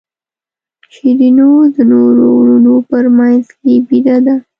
شیرینو د نورو وروڼو په منځ کې بېده ده.